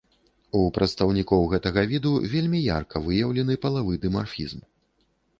У прадстаўнікоў гэтага віду вельмі ярка выяўлены палавы дымарфізм.